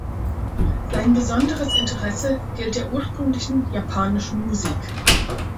Sein besonderes Interesse gilt der ursprünglichen japanischen Musik.